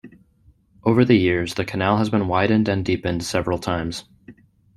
Over the years the canal has been widened and deepened several times.